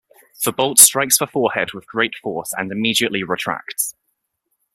The bolt strikes the forehead with great force and immediately retracts.